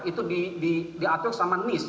itu diatur sama nist